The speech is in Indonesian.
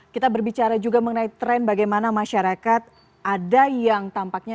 kita berbicara juga mengenai tren bagaimana masyarakat ada yang tampaknya